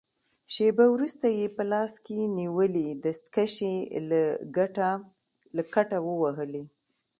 شېبه وروسته يې په لاس کې نیولې دستکشې له کټه ووهلې.